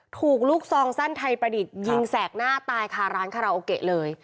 ถูกลูกซองสั้นไทยประดิษฐ์ยิงแสกหน้าตายคาร้านคาราโอเกะเลย